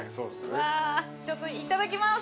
ねっいただきます。